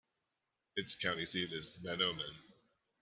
Its county seat is Mahnomen.